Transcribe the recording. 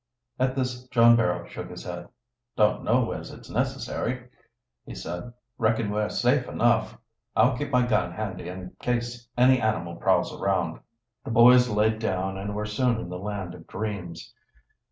At this John Barrow shook his head. "Don't know as it's necessary," he said. "Reckon we're safe enough. I'll keep my gun handy, in case any animal prowls around." The boys laid down and were soon in the land of dreams.